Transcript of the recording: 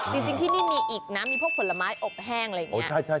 จริงที่นี่มีอีกนะมีพวกผลไม้อบแห้งอะไรอย่างนี้